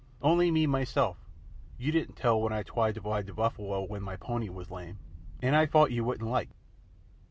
"Only me myself. You didn't tell when I twied to wide ve buffalo ven my pony was lame; and I fought you wouldn't like."